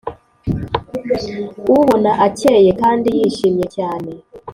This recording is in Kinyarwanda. ubona akeye kandi yishimye cyane.